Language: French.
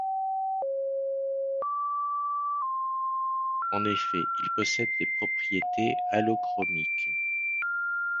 En effet, il possède des propriétés halochromiques.